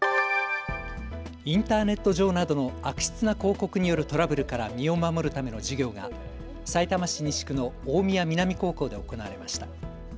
インターネット上などの悪質な広告によるトラブルから身を守るための授業がさいたま市西区の大宮南高校で行われました。